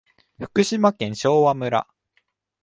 福島県昭和村